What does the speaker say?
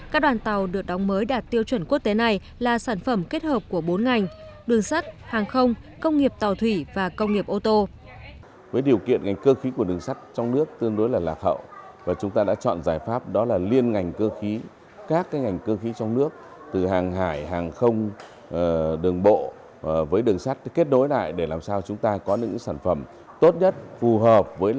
các đoàn tàu được đóng mới đạt tiêu chuẩn quốc tế này là sản phẩm kết hợp của bốn ngành đường sắt hàng không công nghiệp tàu thủy và công nghiệp ô tô